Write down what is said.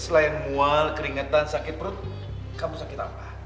selain mual keringetan sakit perut kamu sakit apa